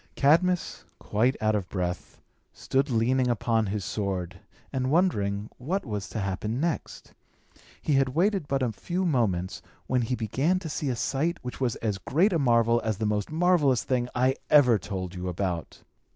Cadmus, quite out of breath, stood leaning upon his sword, and wondering what was to happen next. He had waited but a few moments, when he began to see a sight, which was as great a marvel as the most marvellous thing I ever told you about.